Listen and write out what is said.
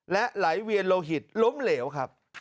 และไหลเวียนโลหิตล้มเหลวครับ